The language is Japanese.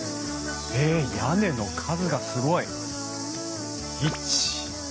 えっ屋根の数がすごい！